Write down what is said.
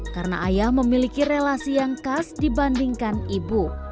karena ayah memiliki relasi yang khas dibandingkan ibu